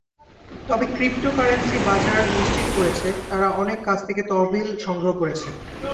তবে ক্রিপ্টো-কারেন্সি বাজার নিশ্চিত করেছে, তারা অনেকে কাছ থেকে তহবিল সংগ্রহ করছে।